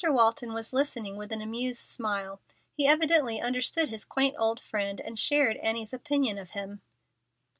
Walton was listening with an amused smile. He evidently understood his quaint old friend and shared Annie's opinion of him.